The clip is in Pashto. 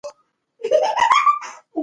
ځينې خلک دا ساتندوی بولي.